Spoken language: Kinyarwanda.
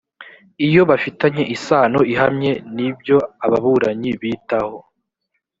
iyo bifitanye isano ihamye n ibyo ababuranyi bitaho